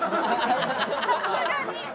さすがに！